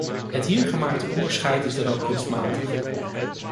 Het hier gemaakte onderscheid is dan ook kunstmatig.